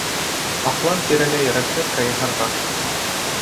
Аҡлан тирәләй разведка яһарға!